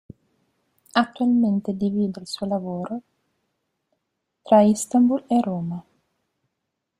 Attualmente divide il suo lavoro tra Istanbul e Roma.